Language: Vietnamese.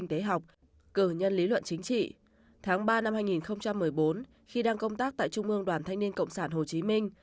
tháng ba năm hai nghìn một mươi bốn khi đang công tác tại trung ương đoàn thanh niên cộng sản hồ chí minh